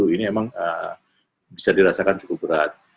ini memang bisa dirasakan cukup berat